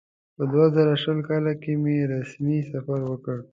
په دوه زره شل کال کې مې رسمي سفر وکړ.